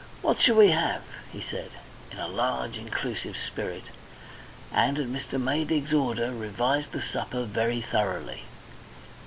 "What shall we have?" he said, in a large, inclusive spirit, and, at Mr. Maydig's order, revised the supper very thoroughly.